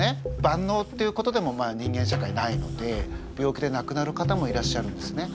ばんのうっていうことでも人間社会ないので病気でなくなる方もいらっしゃるんですね。